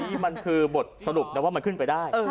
นี่มันคือบทสรุปนะว่ามันขึ้นไปได้